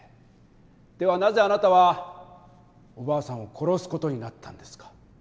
ではなぜあなたはおばあさんを殺す事になったんですか？